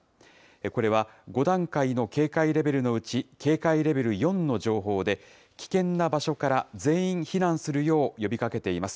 これは５段階の警戒レベルのうち、警戒レベル４の情報で、危険な場所から全員避難するよう呼びかけています。